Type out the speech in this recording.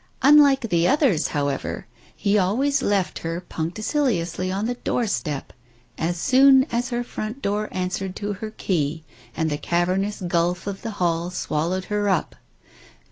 Unlike the others, however, he always left her punctiliously on the doorstep, as soon as her front door answered to her key and the cavernous gulf of the hall swallowed her up.